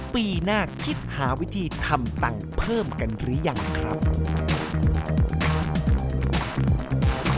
ปีหน้าคิดหาวิธีทำตังค์เพิ่มกันหรือยังครับ